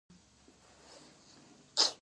آیا د اتلانتیک سمندر د کبانو ډک نه و؟